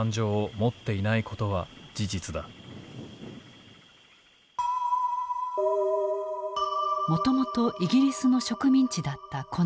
もともとイギリスの植民地だったこの一帯。